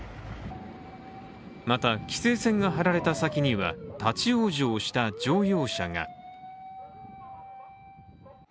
また、規制線が張られた先には立往生した乗用車が。